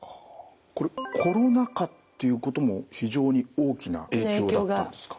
これコロナ禍っていうことも非常に大きな影響があったんですか？